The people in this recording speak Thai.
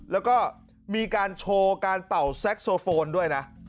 แล้วก็มีการโชว์การเป่าแซ็กโซโฟนด้วยนะ